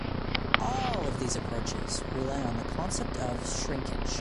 All of these approaches rely on the concept of shrinkage.